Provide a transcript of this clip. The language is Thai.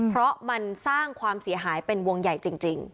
เพราะมันสร้างความเสียหายเป็นวงใหญ่จริง